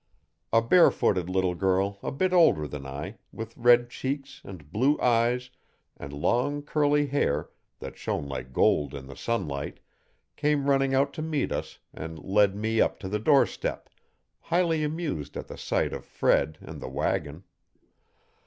A barefooted little girl a bit older than I, with red cheeks and blue eyes and long curly hair, that shone like gold in the sunlight, came running out to meet us and led me up to the doorstep, highly amused at the sight of Fred and the wagon.